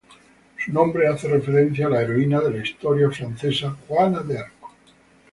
Su nombre hace referencia a la heroína de la historia francesa Juana de Arco.